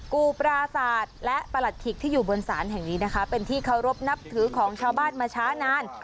กูปราศาสตร์และประหลัดขิกที่อยู่บนศาลแห่งนี้นะคะเป็นที่เคารพนับถือของชาวบ้านมาช้านาน